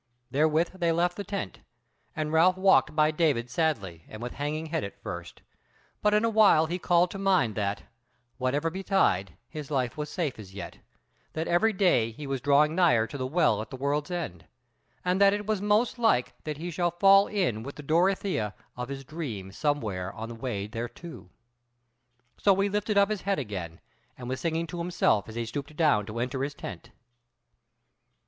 Therewith they left the tent, and Ralph walked by David sadly and with hanging head at first; but in a while he called to mind that, whatever betid, his life was safe as yet; that every day he was drawing nigher to the Well at the World's End; and that it was most like that he shall fall in with that Dorothea of his dream somewhere on the way thereto. So he lifted up his head again, and was singing to himself as he stooped down to enter into his tent.